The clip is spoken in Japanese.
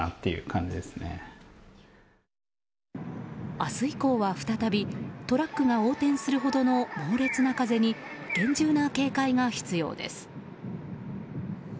明日以降は、再びトラックが横転するほどの猛烈な風に厳重な警戒が必要です。